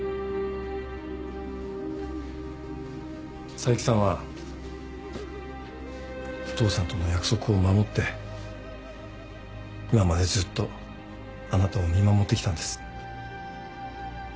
佐伯さんはお父さんとの約束を守って今までずっとあなたを見守ってきたんです。